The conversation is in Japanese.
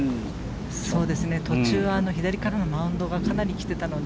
途中、左からのマウンドがかなり来ていたので